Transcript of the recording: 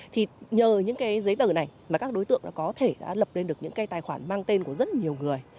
thì nhờ những cái giấy tờ này mà các đối tượng có thể đã lập lên được những cái tài khoản mang tên của rất nhiều người